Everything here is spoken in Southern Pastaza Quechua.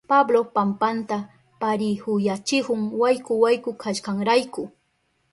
Pablo pampanta parihuyachihun wayku wayku kashkanrayku.